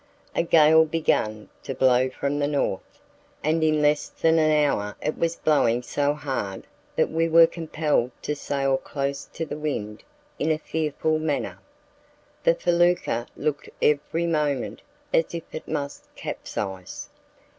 A gale began to blow from the north, and in less than an hour it was blowing so hard that we were compelled to sail close to the wind in a fearful manner. The felucca looked every moment as if it must capsize.